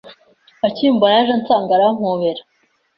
akimbona yaje ansanga arampobera,